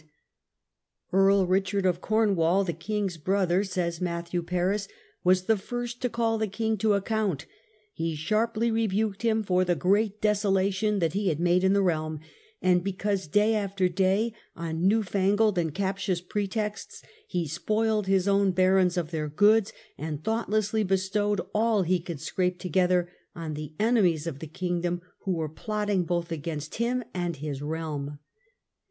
Earl Richard "Earl Richard of Cornwall, theking's brother," of Comwau. g^ys Matthew Paris, " was the first to call the king to accoun^t. He sharply rebuked him for the great desolation that he had made in the realm, and because day after day on new fangled and captious pretexts he spoiled his own barons of their goods, and thoughtlessly bestowed all he could scrape together on the enemies of the kingdom, who were plotting both against him and his realm.